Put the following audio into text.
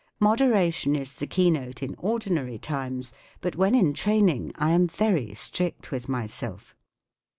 Moderation is the keynote in ordin¬ ary times, but when in training I am very strict with myself.